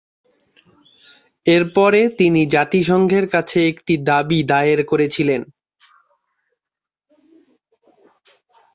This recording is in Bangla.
এরপরে তিনি জাতিসংঘের কাছে একটি দাবি দায়ের করেছিলেন।